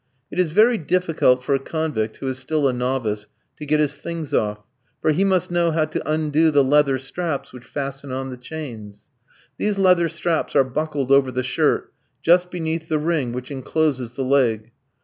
It is very difficult for a convict who is still a novice to get his things off, for he must know how to undo the leather straps which fasten on the chains. These leather straps are buckled over the shirt, just beneath the ring which encloses the leg.